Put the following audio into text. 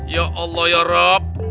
ya allah ya rob